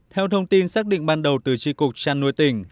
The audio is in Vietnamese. theo thông tin xác định ban đầu từ tri cục trăn nuôi tỉnh